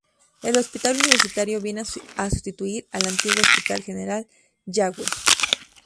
El Hospital Universitario viene a sustituir al antiguo Hospital General Yagüe.